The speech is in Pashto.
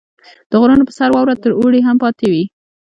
• د غرونو په سر واوره تر اوړي هم پاتې وي.